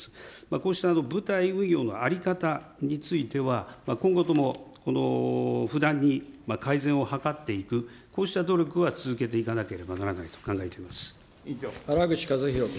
こうした部隊運用の在り方については、今後ともこの不断に改善を図っていく、こうした努力は続けていかなければならないと考えて原口一博君。